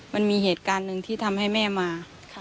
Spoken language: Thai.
มันมีเหตุการณ์หนึ่งที่ทำให้แม่มา